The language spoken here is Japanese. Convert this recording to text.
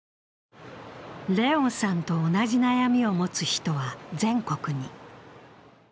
怜音さんと同じ悩みを持つ人は全国に。